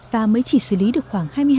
và mới chỉ xử lý được khoảng hai mươi hai